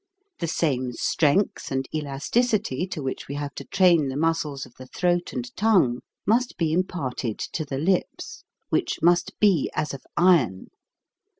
The same strength and elasticity to which we have to train the muscles of the throat and tongue must be imparted to the lips, which must be as of iron.